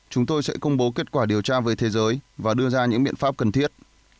chúng tôi sẽ công bố kết quả điều tra với thế giới và đưa ra những biện pháp cần thiết